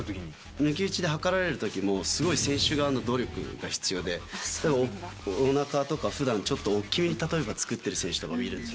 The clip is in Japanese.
抜き打ちで測られるときも、すごい選手側の努力が必要で、おなかとか、ふだんちょっと大きめに作ってる選手とかいるんですよ。